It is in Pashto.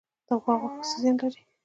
د غوا غوښه څه زیان لري؟